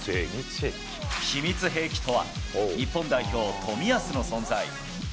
秘密兵器とは、日本代表、冨安の存在。